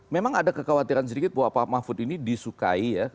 memang ada kekhawatiran sedikit bahwa pak mahfud ini disukai ya